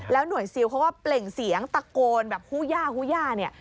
หน่วยซิลเขาก็เปล่งเสียงตะโกนแบบฮูย่าฮู้ย่าเนี่ย